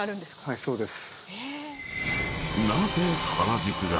はいそうです。